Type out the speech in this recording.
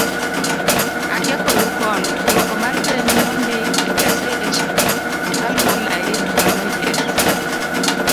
akia koru kono duoko mar peny nondik e gaset kaluo lain manoyier